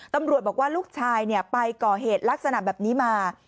ตำรวจบอกว่าลูกชายไปก่อเหตุลักษณะแบบนี้มา